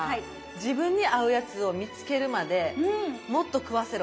自分に合うやつを見つけるまでもっと食わせろ！